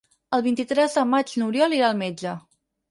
El vint-i-tres de maig n'Oriol irà al metge.